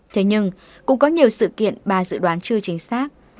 thế nhưng cũng có nhiều sự kiện bà dự đoán chưa chính xác